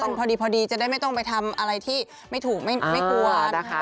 พอดีจะได้ไม่ต้องไปทำอะไรที่ไม่ถูกไม่กลัวนะคะ